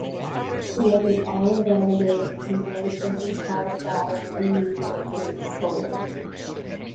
He was an all-rounder known for his hard batting and medium-pace bowling.